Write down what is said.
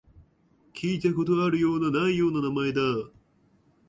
聞いたことあるような、ないような名前だ